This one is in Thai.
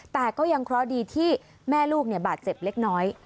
แต่ก็ยังเคราะห์ดีที่แม่ลูกบาดเจ็บเล็กน้อย